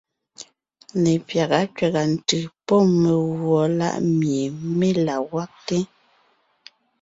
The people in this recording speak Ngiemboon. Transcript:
Lepyága kẅàga ntʉ̀ pɔ́ megùɔ láʼ mie mé la gwagte.